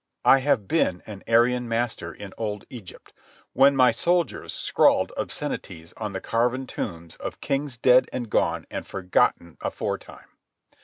I have been an Aryan master in old Egypt, when my soldiers scrawled obscenities on the carven tombs of kings dead and gone and forgotten aforetime.